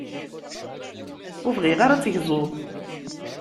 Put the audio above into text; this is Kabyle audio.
Ur bɣiɣ ara ad tegzuḍ.